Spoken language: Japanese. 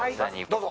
どうぞ。